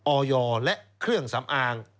ออยและเครื่องสำอาง